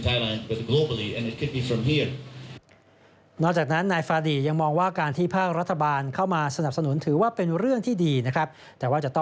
แต่มันจะมีความสำคัญว่ามีการเปลี่ยนชีวิต